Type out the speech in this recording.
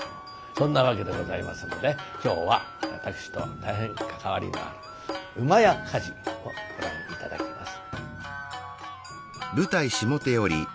そんなわけでございますので今日は私と大変関わりのある「厩火事」をご覧頂きます。